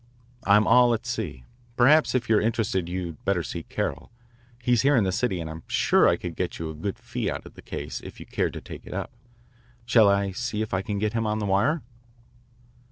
I'm all at sea. Perhaps if you're interested you'd better see Carroll. He's here in the city and I'm sure I could get you a good fee out of the case if you cared to take it up. Shall I see if I can get him on the wire?"